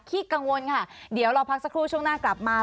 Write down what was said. กังวลค่ะเดี๋ยวเราพักสักครู่ช่วงหน้ากลับมา